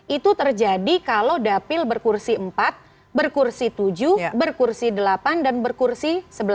itu terjadi kalau dapil berkursi empat berkursi tujuh berkursi delapan dan berkursi sebelas